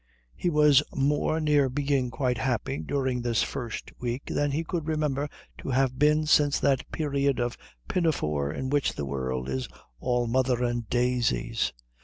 He was more near being quite happy during this first week than he could remember to have been since that period of pinafore in which the world is all mother and daisies.